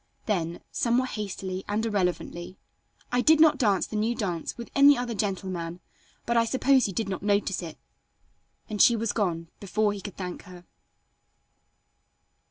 Then, somewhat hastily and irrelevantly, "I did not dance the new dance with any other gentleman but I suppose you did not notice it," and she was gone before he could thank her.